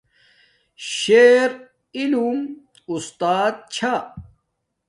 شیر علم اُستات چھا